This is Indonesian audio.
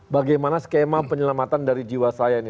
bagaimana skema penyelamatan dari jiwaseraya ini